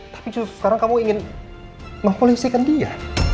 tapi justru sekarang kamu ingin mempolisikan dia